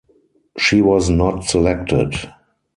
She was not selected.